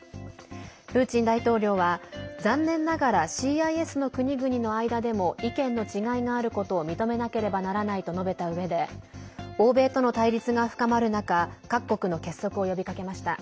プーチン大統領は残念ながらＣＩＳの国々の間でも意見の違いがあることを認めなければならないと述べたうえで欧米との対立が深まる中各国の結束を呼びかけました。